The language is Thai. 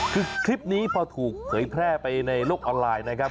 คือคลิปนี้พอถูกเผยแพร่ไปในโลกออนไลน์นะครับ